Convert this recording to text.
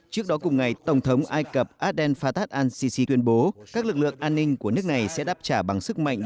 trước đó cùng ngày tổng thống ai cập abdel fatah al sisi tuyên bố các lực lượng an ninh của nước này sẽ đáp trả bằng sức mạnh